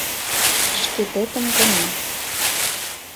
Шкететым гына.